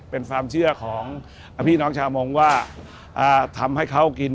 เป็นความเชื่อของพี่น้องชาวมงว่าทำให้เขากิน